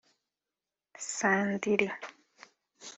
Sandili